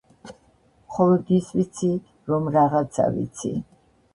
მხოლოდ ის ვიცი რომ რაღაცა ვიცი